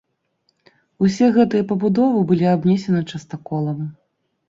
Усе гэтыя пабудовы былі абнесены частаколам.